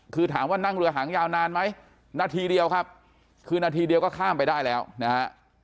คือถามว่านั่งเรือหางยาวนานไหมนาทีเดียวครับคือนาทีเดียวก็ข้ามไปได้แล้วนะฮะ